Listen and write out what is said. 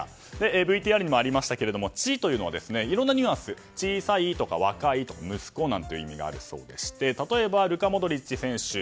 ＶＴＲにもありましたが「ッチ」というのはいろんなニュアンス小さいとか若いとか息子という意味があるそうで例えば、ルカ・モドリッチ選手。